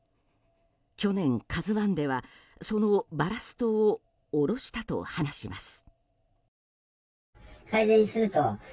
去年「ＫＡＺＵ１」ではそのバラストを降ろしたと話します。